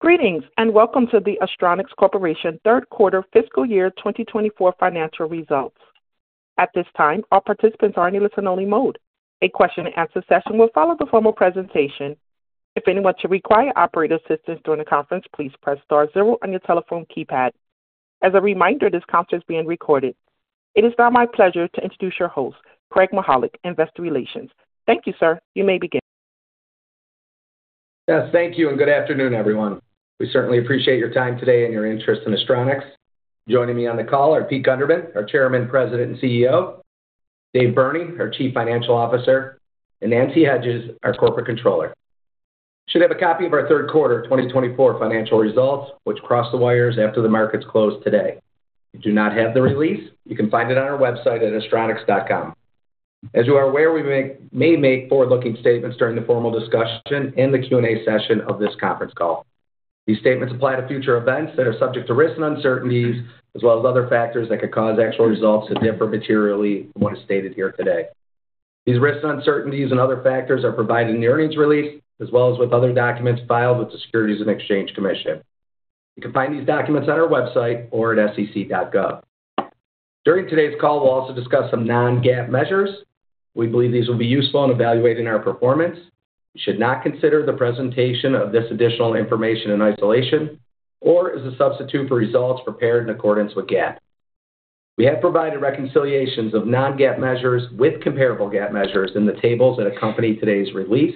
Greetings and welcome to the Astronics Corporation Third Quarter Fiscal Year 2024 Financial Results. At this time, all participants are in the listen-only mode. A question-and-answer session will follow the formal presentation. If anyone should require operator assistance during the conference, please press star zero on your telephone keypad. As a reminder, this conference is being recorded. It is now my pleasure to introduce your host, Craig Mychajluk, Investor Relations. Thank you, sir. You may begin. Yes, thank you and good afternoon, everyone. We certainly appreciate your time today and your interest in Astronics. Joining me on the call are Peter Gundermann, our Chairman, President, and CEO; Dave Burney, our Chief Financial Officer; and Nancy Hedges, our Corporate Controller. Should have a copy of our Third Quarter 2024 Financial Results, which crossed the wires after the markets closed today. If you do not have the release, you can find it on our website at astronics.com. As you are aware, we may make forward-looking statements during the formal discussion and the Q&A session of this conference call. These statements apply to future events that are subject to risks and uncertainties, as well as other factors that could cause actual results to differ materially from what is stated here today. These risks and uncertainties and other factors are provided in the earnings release, as well as with other documents filed with the Securities and Exchange Commission. You can find these documents on our website or at sec.gov. During today's call, we'll also discuss some non-GAAP measures. We believe these will be useful in evaluating our performance. We should not consider the presentation of this additional information in isolation or as a substitute for results prepared in accordance with GAAP. We have provided reconciliations of non-GAAP measures with comparable GAAP measures in the tables that accompany today's release.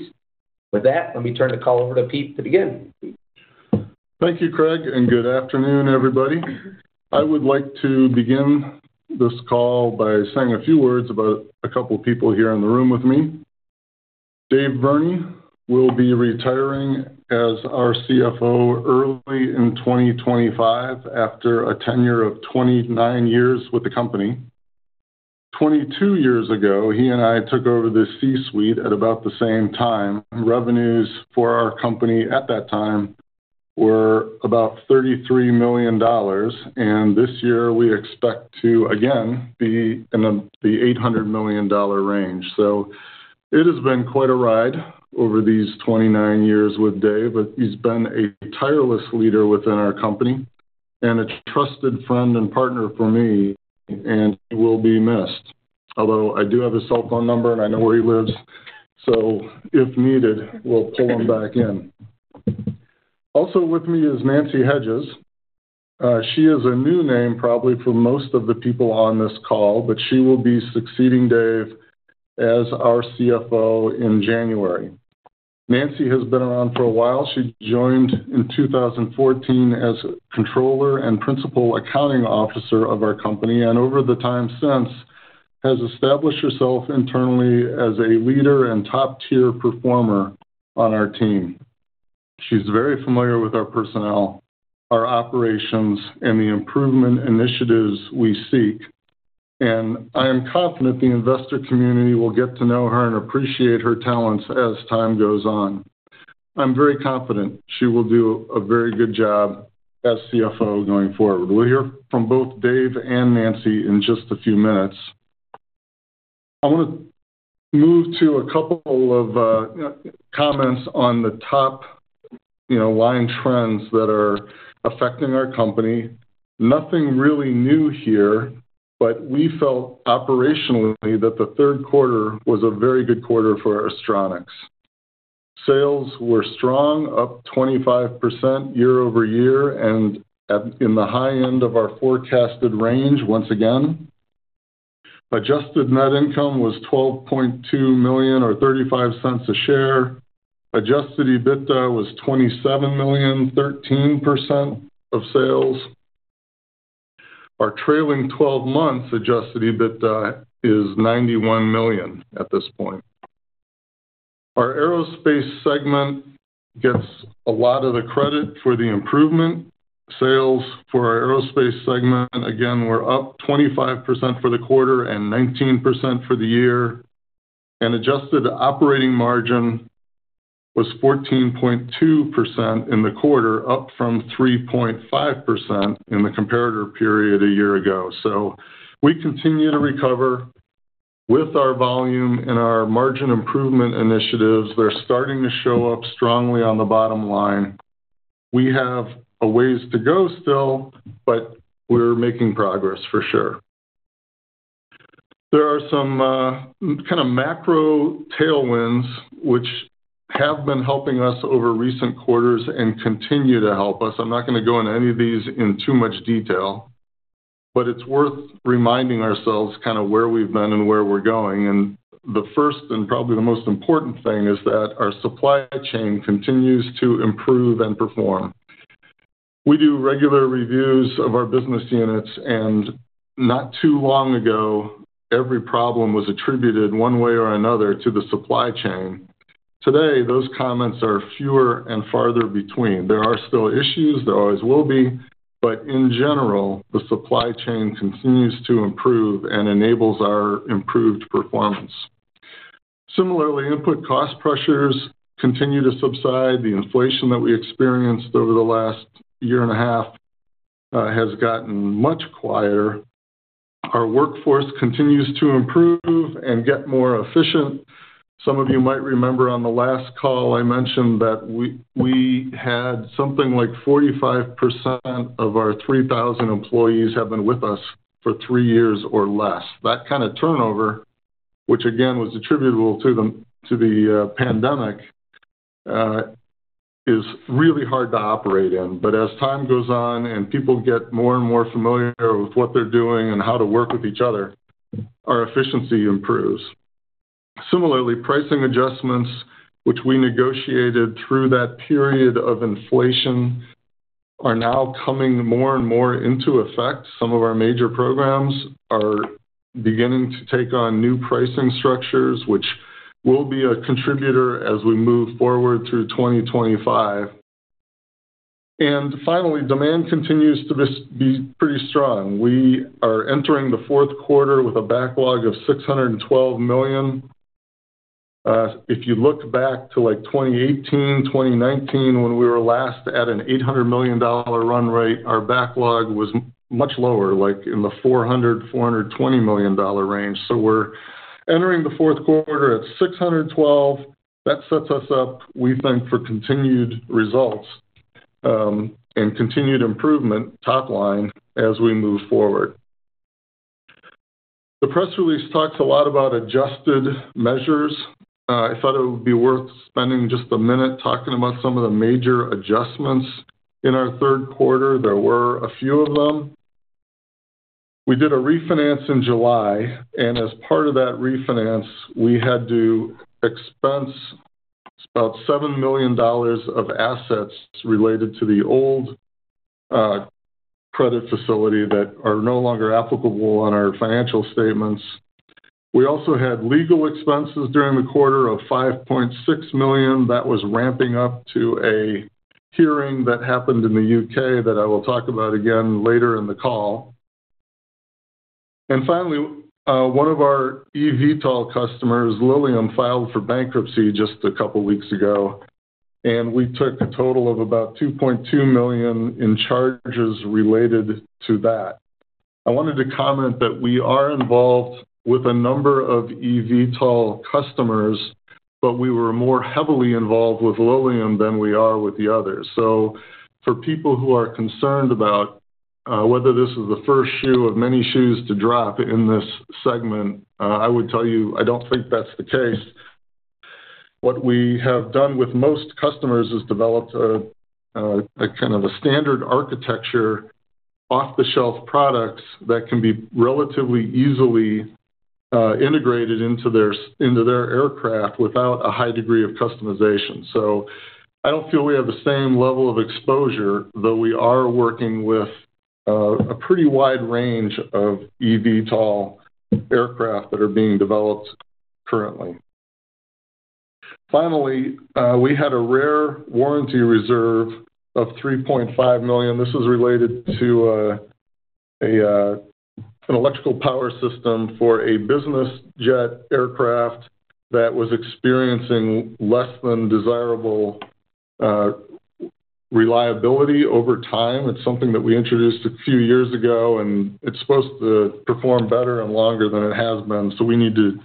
With that, let me turn the call over to Pete to begin. Thank you, Craig, and good afternoon, everybody. I would like to begin this call by saying a few words about a couple of people here in the room with me. Dave Burney will be retiring as our CFO early in 2025 after a tenure of 29 years with the company. Twenty-two years ago, he and I took over the C-suite at about the same time. Revenues for our company at that time were about $33 million, and this year we expect to, again, be in the $800 million range, so it has been quite a ride over these 29 years with Dave, but he's been a tireless leader within our company and a trusted friend and partner for me, and he will be missed. Although I do have his cell phone number and I know where he lives, so if needed, we'll pull him back in. Also with me is Nancy Hedges. She is a new name probably for most of the people on this call, but she will be succeeding Dave as our CFO in January. Nancy has been around for a while. She joined in 2014 as Controller and Principal Accounting Officer of our company, and over the time since, has established herself internally as a leader and top-tier performer on our team. She's very familiar with our personnel, our operations, and the improvement initiatives we seek, and I am confident the investor community will get to know her and appreciate her talents as time goes on. I'm very confident she will do a very good job as CFO going forward. We'll hear from both Dave and Nancy in just a few minutes. I want to move to a couple of comments on the top line trends that are affecting our company. Nothing really new here, but we felt operationally that the third quarter was a very good quarter for Astronics. Sales were strong, up 25% year-over-year and in the high end of our forecasted range once again. Adjusted net income was $12.2 million or $0.35 a share. Adjusted EBITDA was $27 million, 13% of sales. Our trailing 12 months adjusted EBITDA is $91 million at this point. Our aerospace segment gets a lot of the credit for the improvement. Sales for our aerospace segment, again, were up 25% for the quarter and 19% for the year, and adjusted operating margin was 14.2% in the quarter, up from 3.5% in the comparator period a year ago, so we continue to recover with our volume and our margin improvement initiatives. They're starting to show up strongly on the bottom line. We have a ways to go still, but we're making progress for sure. There are some kind of macro tailwinds which have been helping us over recent quarters and continue to help us. I'm not going to go into any of these in too much detail, but it's worth reminding ourselves kind of where we've been and where we're going. And the first and probably the most important thing is that our supply chain continues to improve and perform. We do regular reviews of our business units, and not too long ago, every problem was attributed one way or another to the supply chain. Today, those comments are fewer and farther between. There are still issues. There always will be. But in general, the supply chain continues to improve and enables our improved performance. Similarly, input cost pressures continue to subside. The inflation that we experienced over the last year and a half has gotten much quieter. Our workforce continues to improve and get more efficient. Some of you might remember on the last call I mentioned that we had something like 45% of our 3,000 employees have been with us for three years or less. That kind of turnover, which again was attributable to the pandemic, is really hard to operate in. But as time goes on and people get more and more familiar with what they're doing and how to work with each other, our efficiency improves. Similarly, pricing adjustments, which we negotiated through that period of inflation, are now coming more and more into effect. Some of our major programs are beginning to take on new pricing structures, which will be a contributor as we move forward through 2025, and finally, demand continues to be pretty strong. We are entering the fourth quarter with a backlog of $612 million. If you look back to like 2018, 2019, when we were last at an $800 million run rate, our backlog was much lower, like in the $400 million-$420 million range. So we're entering the fourth quarter at $612 million. That sets us up, we think, for continued results and continued improvement top line as we move forward. The press release talks a lot about adjusted measures. I thought it would be worth spending just a minute talking about some of the major adjustments in our third quarter. There were a few of them. We did a refinance in July, and as part of that refinance, we had to expense about $7 million of assets related to the old credit facility that are no longer applicable on our financial statements. We also had legal expenses during the quarter of $5.6 million. That was ramping up to a hearing that happened in the U.K. that I will talk about again later in the call. And finally, one of our eVTOL customers, Lilium, filed for bankruptcy just a couple of weeks ago, and we took a total of about $2.2 million in charges related to that. I wanted to comment that we are involved with a number of eVTOL customers, but we were more heavily involved with Lilium than we are with the others. So for people who are concerned about whether this is the first shoe of many shoes to drop in this segment, I would tell you I don't think that's the case. What we have done with most customers is developed a kind of a standard architecture off-the-shelf products that can be relatively easily integrated into their aircraft without a high degree of customization. So I don't feel we have the same level of exposure, though we are working with a pretty wide range of eVTOL aircraft that are being developed currently. Finally, we had a rare warranty reserve of $3.5 million. This is related to an electrical power system for a business jet aircraft that was experiencing less than desirable reliability over time. It's something that we introduced a few years ago, and it's supposed to perform better and longer than it has been. So we need to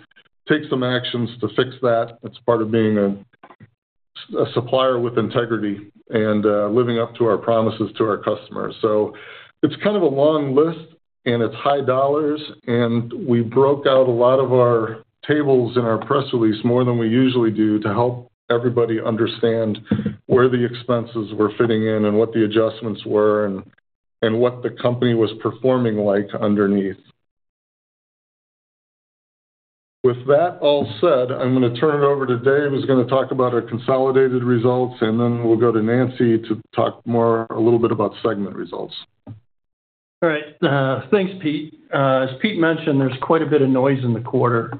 take some actions to fix that. That's part of being a supplier with integrity and living up to our promises to our customers. So it's kind of a long list, and it's high dollars, and we broke out a lot of our tables in our press release more than we usually do to help everybody understand where the expenses were fitting in and what the adjustments were and what the company was performing like underneath. With that all said, I'm going to turn it over to Dave. He was going to talk about our consolidated results, and then we'll go to Nancy to talk more a little bit about segment results. All right. Thanks, Pete. As Pete mentioned, there's quite a bit of noise in the quarter.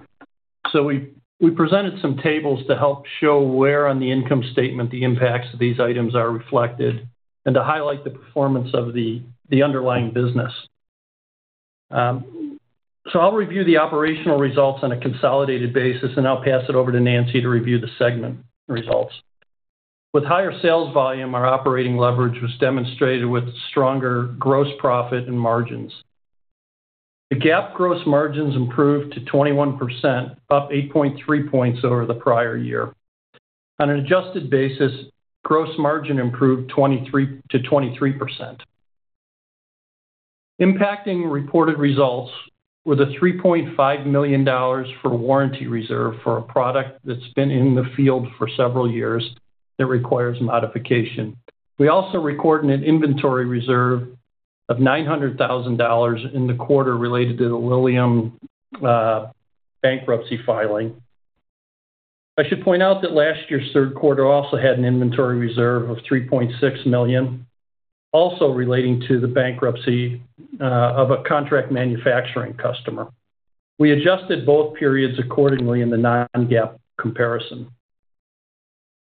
So we presented some tables to help show where on the income statement the impacts of these items are reflected and to highlight the performance of the underlying business. So I'll review the operational results on a consolidated basis, and I'll pass it over to Nancy to review the segment results. With higher sales volume, our operating leverage was demonstrated with stronger gross profit and margins. The GAAP gross margins improved to 21%, up 8.3 points over the prior year. On an adjusted basis, gross margin improved to 23%. Impacting reported results were the $3.5 million for warranty reserve for a product that's been in the field for several years that requires modification. We also recorded an inventory reserve of $900,000 in the quarter related to the Lilium bankruptcy filing. I should point out that last year's third quarter also had an inventory reserve of $3.6 million, also relating to the bankruptcy of a contract manufacturing customer. We adjusted both periods accordingly in the non-GAAP comparison.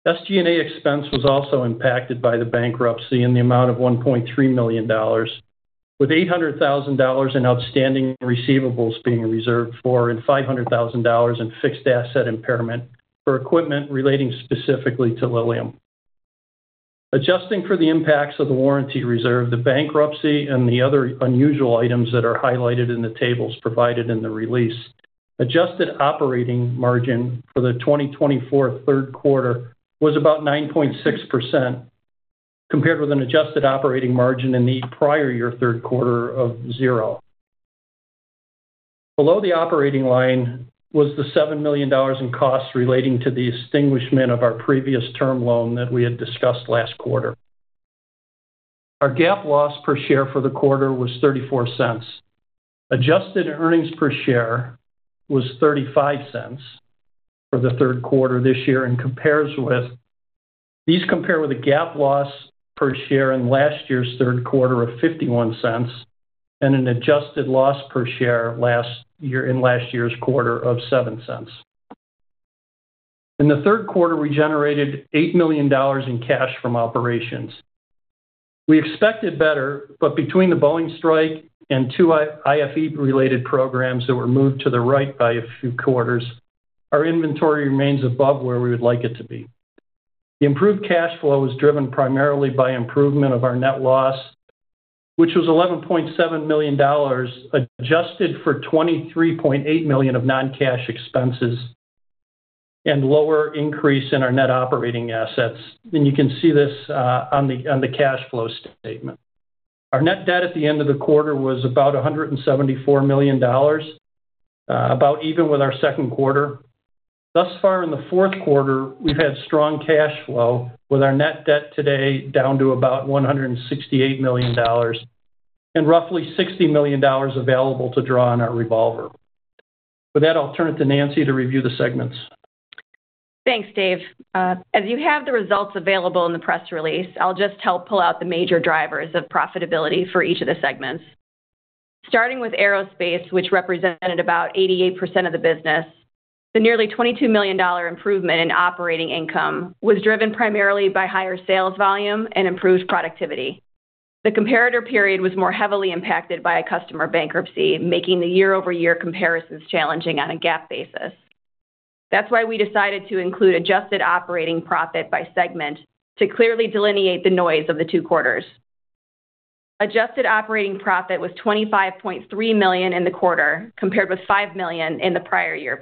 SG&A expense was also impacted by the bankruptcy in the amount of $1.3 million, with $800,000 in outstanding receivables being reserved for and $500,000 in fixed asset impairment for equipment relating specifically to Lilium. Adjusting for the impacts of the warranty reserve, the bankruptcy and the other unusual items that are highlighted in the tables provided in the release, adjusted operating margin for the 2024 third quarter was about 9.6% compared with an adjusted operating margin in the prior year third quarter of zero. Below the operating line was the $7 million in costs relating to the extinguishment of our previous term loan that we had discussed last quarter. Our GAAP loss per share for the quarter was $0.34. Adjusted earnings per share was $0.35 for the third quarter this year and compares with a GAAP loss per share in last year's third quarter of $0.51 and an adjusted loss per share in last year's quarter of $0.07. In the third quarter, we generated $8 million in cash from operations. We expected better, but between the Boeing strike and two IFE-related programs that were moved to the right by a few quarters, our inventory remains above where we would like it to be. The improved cash flow was driven primarily by improvement of our net loss, which was $11.7 million adjusted for $23.8 million of non-cash expenses and lower increase in our net operating assets. You can see this on the cash flow statement. Our net debt at the end of the quarter was about $174 million, about even with our second quarter. Thus far, in the fourth quarter, we've had strong cash flow with our net debt today down to about $168 million and roughly $60 million available to draw on our revolver. With that, I'll turn it to Nancy to review the segments. Thanks, Dave. As you have the results available in the press release, I'll just help pull out the major drivers of profitability for each of the segments. Starting with aerospace, which represented about 88% of the business, the nearly $22 million improvement in operating income was driven primarily by higher sales volume and improved productivity. The comparator period was more heavily impacted by a customer bankruptcy, making the year-over-year comparisons challenging on a GAAP basis. That's why we decided to include adjusted operating profit by segment to clearly delineate the noise of the two quarters. Adjusted operating profit was $25.3 million in the quarter compared with $5 million in the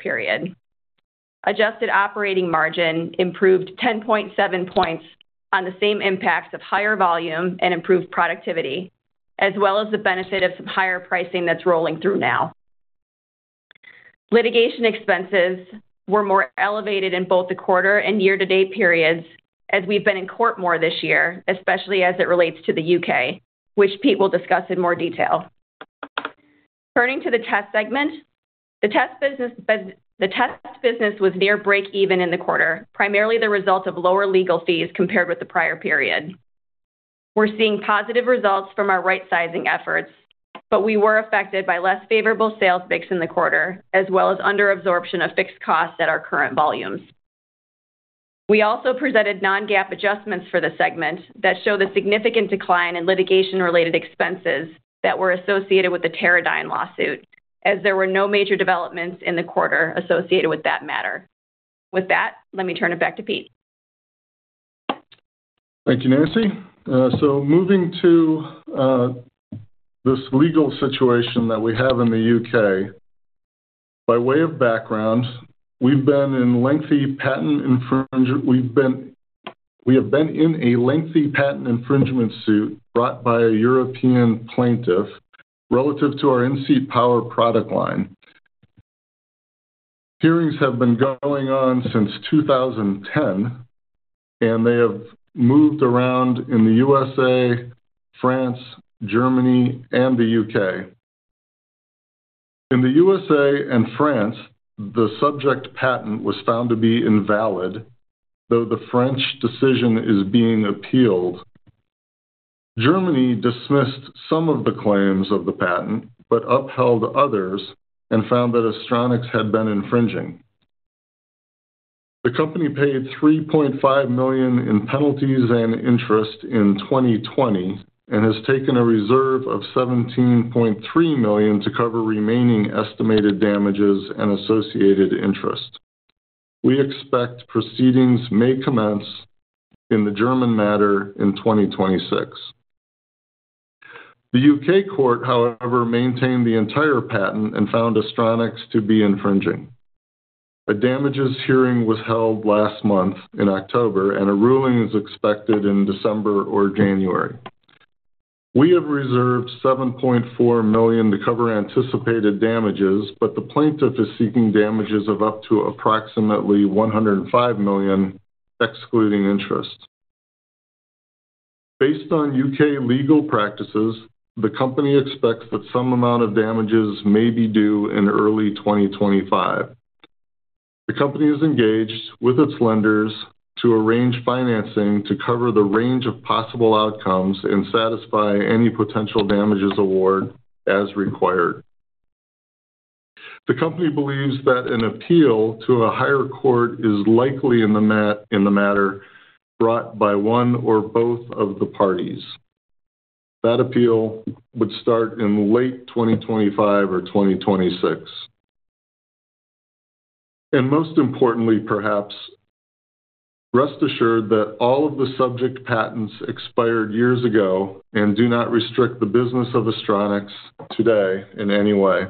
prior year period. Adjusted operating margin improved 10.7 points on the same impacts of higher volume and improved productivity, as well as the benefit of some higher pricing that's rolling through now. Litigation expenses were more elevated in both the quarter and year-to-date periods as we've been in court more this year, especially as it relates to the U.K., which Pete will discuss in more detail. Turning to the test segment, the test business was near break-even in the quarter, primarily the result of lower legal fees compared with the prior period. We're seeing positive results from our right-sizing efforts, but we were affected by less favorable sales mix in the quarter, as well as under-absorption of fixed costs at our current volumes. We also presented non-GAAP adjustments for the segment that show the significant decline in litigation-related expenses that were associated with the Teradyne lawsuit, as there were no major developments in the quarter associated with that matter. With that, let me turn it back to Pete. Thank you, Nancy. So moving to this legal situation that we have in the UK, by way of background, we have been in a lengthy patent infringement suit brought by a European plaintiff relative to our in-seat power product line. Hearings have been going on since 2010, and they have moved around in the USA, France, Germany, and the UK. In the USA and France, the subject patent was found to be invalid, though the French decision is being appealed. Germany dismissed some of the claims of the patent but upheld others and found that Astronics had been infringing. The company paid $3.5 million in penalties and interest in 2020 and has taken a reserve of $17.3 million to cover remaining estimated damages and associated interest. We expect proceedings may commence in the German matter in 2026. The U.K. court, however, maintained the entire patent and found Astronics to be infringing. A damages hearing was held last month in October, and a ruling is expected in December or January. We have reserved $7.4 million to cover anticipated damages, but the plaintiff is seeking damages of up to approximately $105 million, excluding interest. Based on U.K. legal practices, the company expects that some amount of damages may be due in early 2025. The company is engaged with its lenders to arrange financing to cover the range of possible outcomes and satisfy any potential damages award as required. The company believes that an appeal to a higher court is likely in the matter brought by one or both of the parties. That appeal would start in late 2025 or 2026. Most importantly, perhaps, rest assured that all of the subject patents expired years ago and do not restrict the business of Astronics today in any way.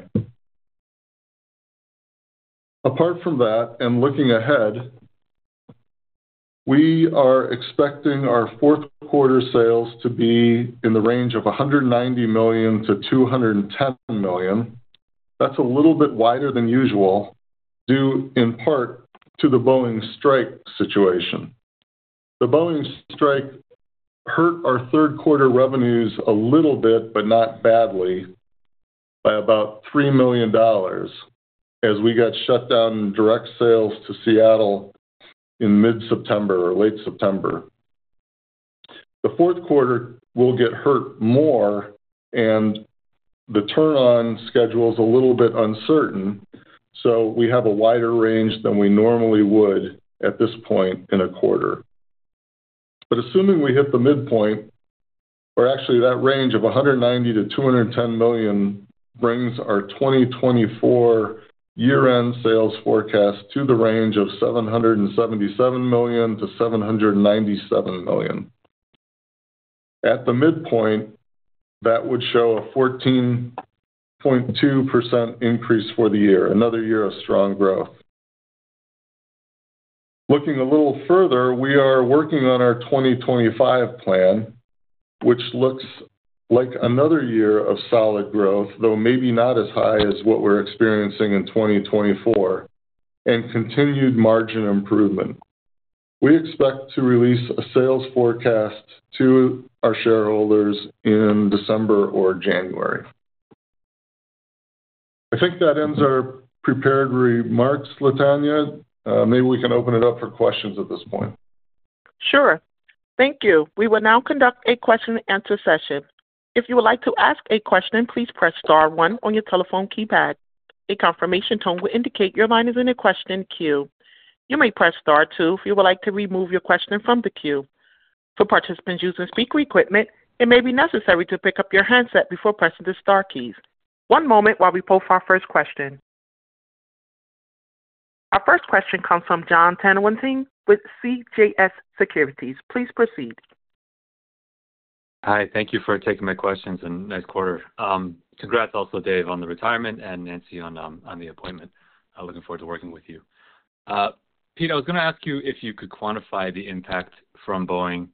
Apart from that, and looking ahead, we are expecting our fourth quarter sales to be in the range of $190 million-$210 million. That's a little bit wider than usual, due in part to the Boeing strike situation. The Boeing strike hurt our third quarter revenues a little bit, but not badly, by about $3 million as we got shut down in direct sales to Seattle in mid-September or late September. The fourth quarter will get hurt more, and the turn-on schedule is a little bit uncertain, so we have a wider range than we normally would at this point in a quarter. But assuming we hit the midpoint, or actually that range of $190 million-$210 million brings our 2024 year-end sales forecast to the range of $777 million-$797 million. At the midpoint, that would show a 14.2% increase for the year, another year of strong growth. Looking a little further, we are working on our 2025 plan, which looks like another year of solid growth, though maybe not as high as what we're experiencing in 2024, and continued margin improvement. We expect to release a sales forecast to our shareholders in December or January. I think that ends our prepared remarks, Latanya. Maybe we can open it up for questions at this point. Sure. Thank you. We will now conduct a question-and-answer session. If you would like to ask a question, please press star one on your telephone keypad. A confirmation tone will indicate your line is in a question queue. You may press star two if you would like to remove your question from the queue. For participants using speaker equipment, it may be necessary to pick up your handset before pressing the star keys. One moment while we post our first question. Our first question comes from Jon Tanwanteng with CJS Securities. Please proceed. Hi. Thank you for taking my questions in the next quarter. Congrats also, Dave, on the retirement, and Nancy on the appointment. Looking forward to working with you. Pete, I was going to ask you if you could quantify the impact from Boeing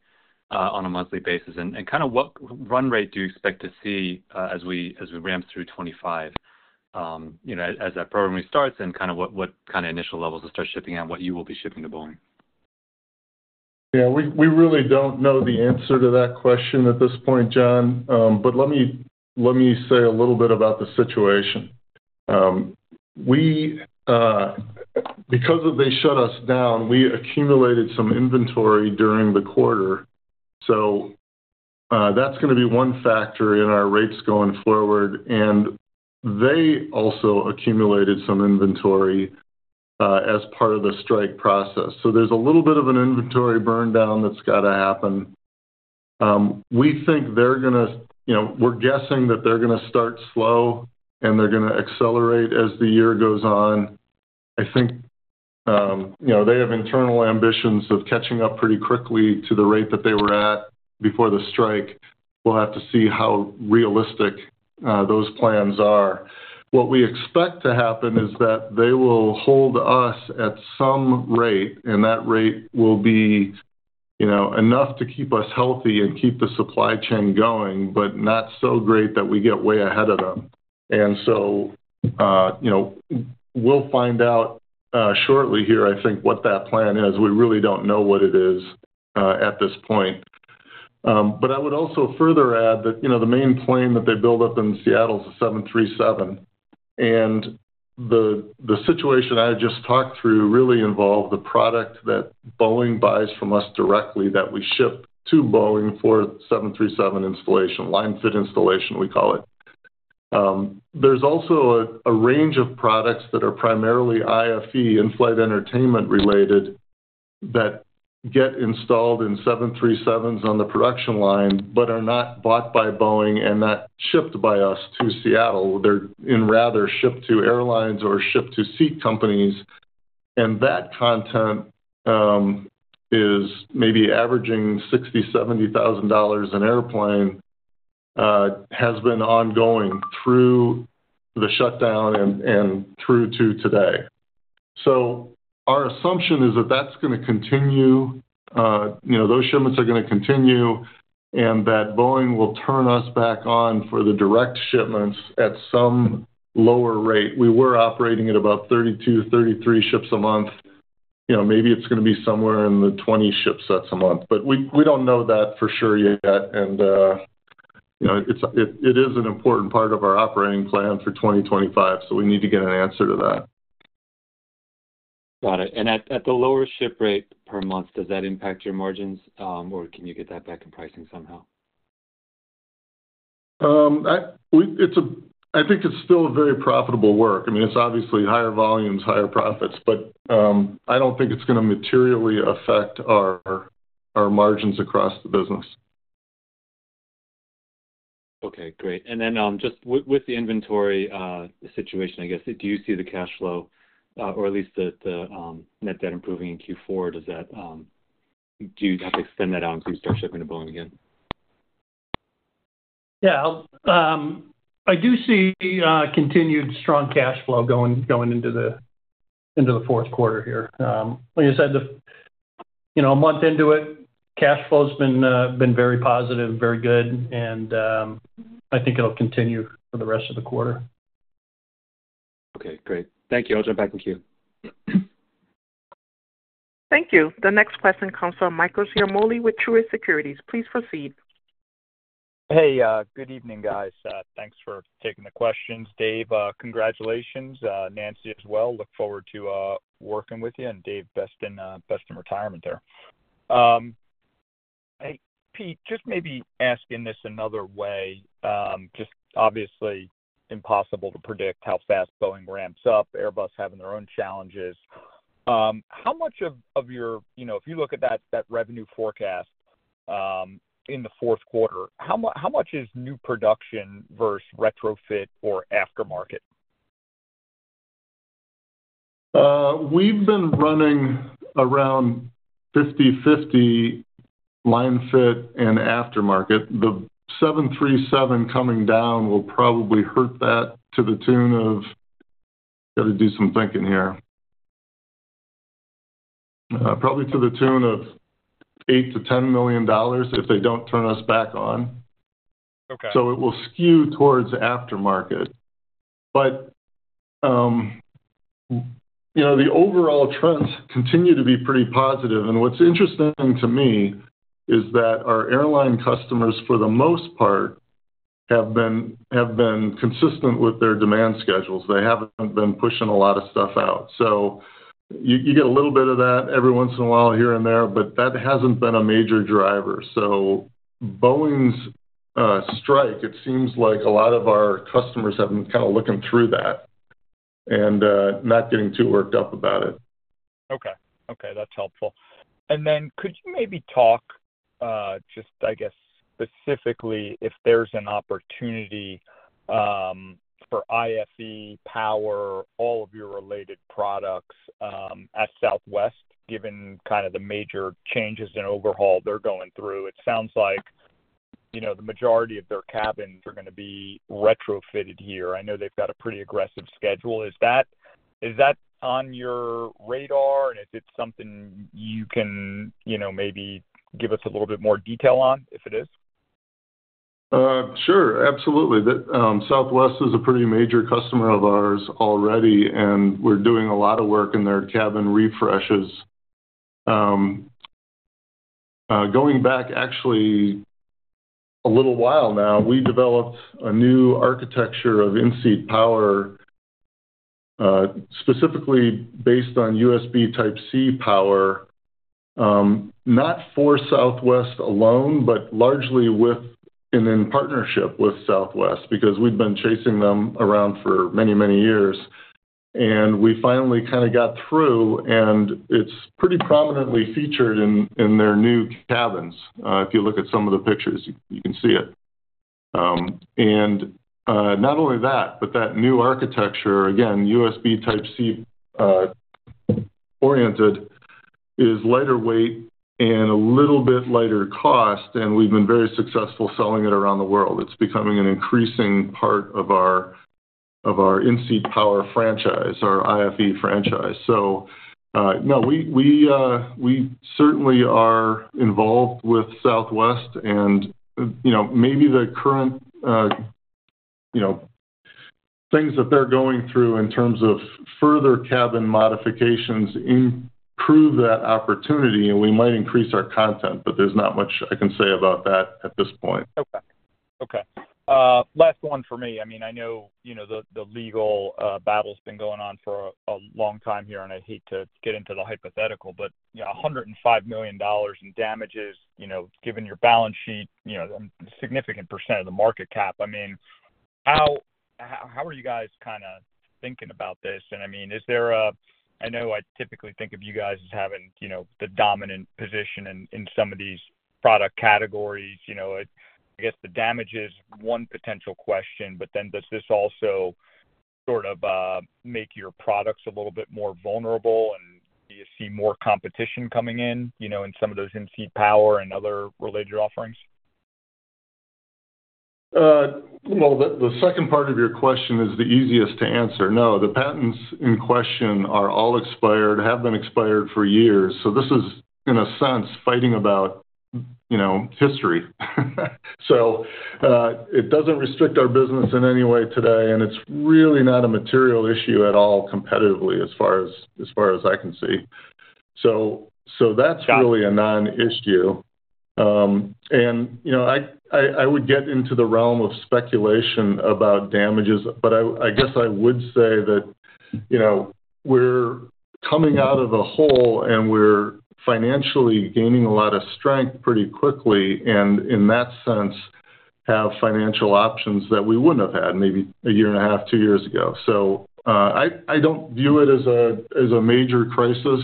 on a monthly basis and kind of what run rate do you expect to see as we ramp through 2025, as that program restarts and kind of what kind of initial levels to start shipping out, what you will be shipping to Boeing? Yeah. We really don't know the answer to that question at this point, Jon, but let me say a little bit about the situation. Because they shut us down, we accumulated some inventory during the quarter. So that's going to be one factor in our rates going forward. And they also accumulated some inventory as part of the strike process. So there's a little bit of an inventory burn down that's got to happen. We think they're going to—we're guessing that they're going to start slow and they're going to accelerate as the year goes on. I think they have internal ambitions of catching up pretty quickly to the rate that they were at before the strike. We'll have to see how realistic those plans are. What we expect to happen is that they will hold us at some rate, and that rate will be enough to keep us healthy and keep the supply chain going, but not so great that we get way ahead of them. And so we'll find out shortly here, I think, what that plan is. We really don't know what it is at this point. But I would also further add that the main plane that they build up in Seattle is a 737. And the situation I just talked through really involved the product that Boeing buys from us directly that we ship to Boeing for 737 installation, line-fit installation, we call it. There's also a range of products that are primarily IFE, in-flight entertainment related, that get installed in 737s on the production line, but are not bought by Boeing and not shipped by us to Seattle. They're rather shipped to airlines or shipped to seat companies. And that content is maybe averaging $60,000-$70,000 an airplane, has been ongoing through the shutdown and through to today. So our assumption is that that's going to continue. Those shipments are going to continue and that Boeing will turn us back on for the direct shipments at some lower rate. We were operating at about 32-33 ships a month. Maybe it's going to be somewhere in the 20 shipsets a month, but we don't know that for sure yet. And it is an important part of our operating plan for 2025, so we need to get an answer to that. Got it. And at the lower ship rate per month, does that impact your margins, or can you get that back in pricing somehow? I think it's still very profitable work. I mean, it's obviously higher volumes, higher profits, but I don't think it's going to materially affect our margins across the business. Okay. Great. And then just with the inventory situation, I guess, do you see the cash flow, or at least the net debt improving in Q4? Do you have to extend that out and do start shipping to Boeing again? Yeah. I do see continued strong cash flow going into the fourth quarter here. Like I said, a month into it, cash flow has been very positive, very good, and I think it'll continue for the rest of the quarter. Okay. Great. Thank you. I'll jump back in queue. Thank you. The next question comes from Michael Ciarmoli with Truist Securities. Please proceed. Hey, good evening, guys. Thanks for taking the questions. Dave, congratulations. Nancy as well. Look forward to working with you. And Dave, best in retirement there. Hey, Pete, just maybe asking this another way, just obviously impossible to predict how fast Boeing ramps up, Airbus having their own challenges. How much of your, if you look at that revenue forecast in the fourth quarter, how much is new production versus retrofit or aftermarket? We've been running around 50/50 line fit and aftermarket. The 737 coming down will probably hurt that to the tune of. Got to do some thinking here. Probably to the tune of $8 million-$10 million if they don't turn us back on. Okay So it will skew towards aftermarket. But the overall trends continue to be pretty positive. And what's interesting to me is that our airline customers, for the most part, have been consistent with their demand schedules. They haven't been pushing a lot of stuff out. So you get a little bit of that every once in a while here and there, but that hasn't been a major driver. So Boeing's strike, it seems like a lot of our customers have been kind of looking through that and not getting too worked up about it. Okay. Okay. That's helpful. And then could you maybe talk just, I guess, specifically if there's an opportunity for IFE, power, all of your related products at Southwest, given kind of the major changes and overhaul they're going through? It sounds like the majority of their cabins are going to be retrofitted here. I know they've got a pretty aggressive schedule. Is that on your radar, and is it something you can maybe give us a little bit more detail on if it is? Sure. Absolutely. Southwest is a pretty major customer of ours already, and we're doing a lot of work in their cabin refreshes. Going back actually a little while now, we developed a new architecture of in-seat power, specifically based on USB Type-C power, not for Southwest alone, but largely with and in partnership with Southwest because we've been chasing them around for many, many years, and we finally kind of got through, and it's pretty prominently featured in their new cabins. If you look at some of the pictures, you can see it, and not only that, but that new architecture, again, USB Type-C oriented, is lighter weight and a little bit lighter cost, and we've been very successful selling it around the world. It's becoming an increasing part of our in-seat power franchise, our IFE franchise, so no, we certainly are involved with Southwest. Maybe the current things that they're going through in terms of further cabin modifications improve that opportunity, and we might increase our content, but there's not much I can say about that at this point. Okay. Okay. Last one for me. I mean, I know the legal battle has been going on for a long time here, and I hate to get into the hypothetical, but $105 million in damages, given your balance sheet, a significant percent of the market cap. I mean, how are you guys kind of thinking about this? And I mean, is there a, I know I typically think of you guys as having the dominant position in some of these product categories. I guess the damage is one potential question, but then does this also sort of make your products a little bit more vulnerable, and do you see more competition coming in in some of those in-seat power and other related offerings? Well, the second part of your question is the easiest to answer. No, the patents in question are all expired, have been expired for years. So this is, in a sense, fighting about history. So it doesn't restrict our business in any way today, and it's really not a material issue at all competitively as far as I can see. So that's Got it really a non-issue. And I would get into the realm of speculation about damages, but I guess I would say that we're coming out of a hole, and we're financially gaining a lot of strength pretty quickly, and in that sense, have financial options that we wouldn't have had maybe a year and a half, two years ago. So I don't view it as a major crisis.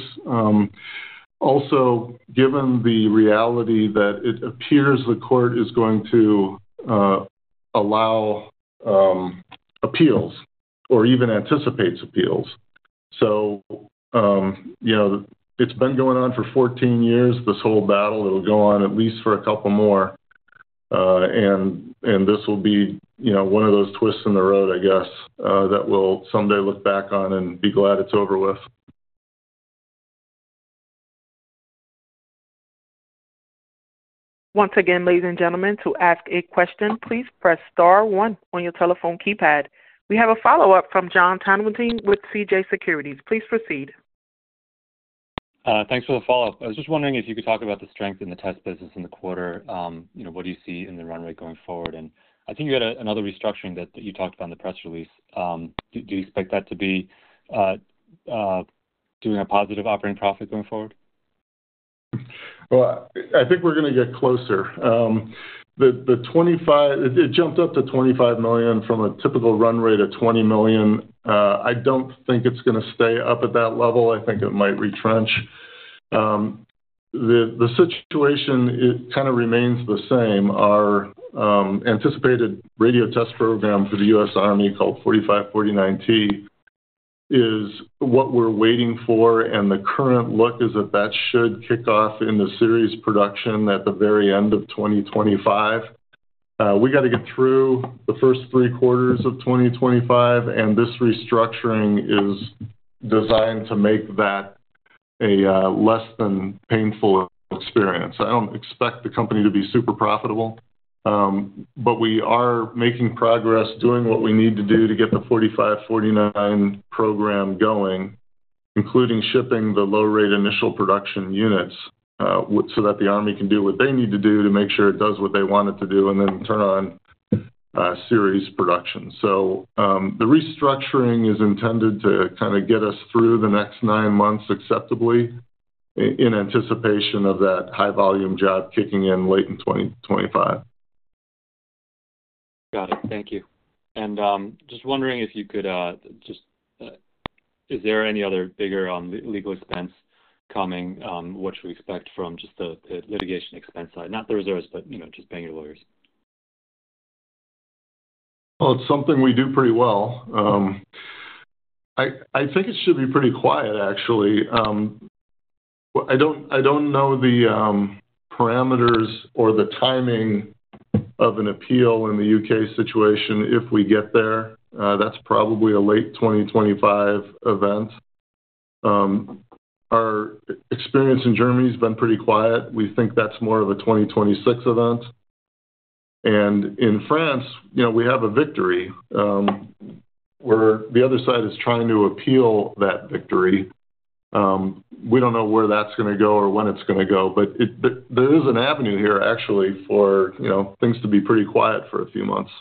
Also, given the reality that it appears the court is going to allow appeals or even anticipates appeals. So it's been going on for 14 years, this whole battle. It'll go on at least for a couple more, and this will be one of those twists in the road, I guess, that we'll someday look back on and be glad it's over with. Once again, ladies and gentlemen, to ask a question, please press star one on your telephone keypad. We have a follow-up from Jon Tanwanteng with CJS Securities. Please proceed. Thanks for the follow-up. I was just wondering if you could talk about the strength in the test business in the quarter. What do you see in the run rate going forward? And I think you had another restructuring that you talked about in the press release. Do you expect that to be doing a positive operating profit going forward? I think we're going to get closer. It jumped up to $25 million from a typical run rate of $20 million. I don't think it's going to stay up at that level. I think it might retrench. The situation kind of remains the same. Our anticipated radio test program for the US Army called 4549T is what we're waiting for, and the current look is that that should kick off in the series production at the very end of 2025. We got to get through the first three quarters of 2025, and this restructuring is designed to make that a less than painful experience. I don't expect the company to be super profitable, but we are making progress, doing what we need to do to get the 4549 program going, including shipping the low-rate initial production units so that the Army can do what they need to do to make sure it does what they want it to do and then turn on series production. So the restructuring is intended to kind of get us through the next nine months acceptably in anticipation of that high-volume job kicking in late in 2025. Got it. Thank you. And just wondering if you could just, is there any other bigger legal expense coming? What should we expect from just the litigation expense side? Not the reserves, but just paying your lawyers. It's something we do pretty well. I think it should be pretty quiet, actually. I don't know the parameters or the timing of an appeal in the UK situation if we get there. That's probably a late 2025 event. Our experience in Germany has been pretty quiet. We think that's more of a 2026 event. And in France, we have a victory where the other side is trying to appeal that victory. We don't know where that's going to go or when it's going to go, but there is an avenue here, actually, for things to be pretty quiet for a few months.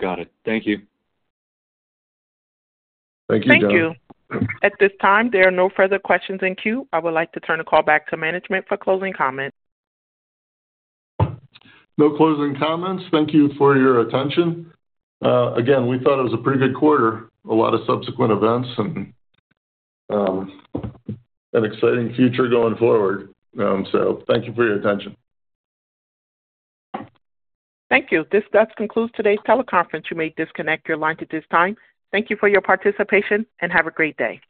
Got it. Thank you. Thank you, Jon. Thank you. At this time, there are no further questions in queue. I would like to turn the call back to management for closing comments. No closing comments. Thank you for your attention. Again, we thought it was a pretty good quarter, a lot of subsequent events, and an exciting future going forward, so thank you for your attention. Thank you. This does conclude today's teleconference. You may disconnect your lines at this time. Thank you for your participation, and have a great day.